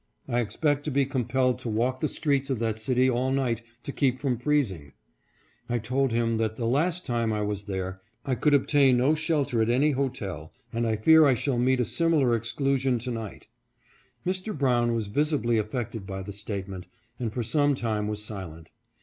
I expect to be compelled to walk the streets of that city all night to keep from freezing." I told him that " the last time I was there I could obtain no shelter at any hotel and I fear I shall meet a similar exclu sion to night." Mr. Brown was visibly affected by the statement and for some time was silent.